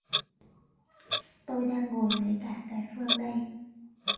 Tôi đang ngồi với cả cái phương đây